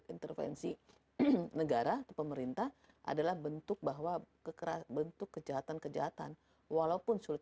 intervensi negara atau pemerintah adalah bentuk bahwa bentuk kejahatan kejahatan walaupun sulit